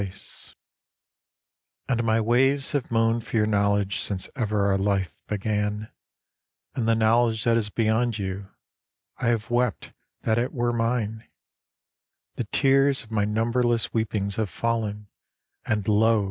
15 IN THE NET OF THE STARS And my waves have moaned for your knowledge since ever our life began, And the knowledge that is beyond you, I have wept that it were mine ; The tears of my numberless weepings have fallen, and lo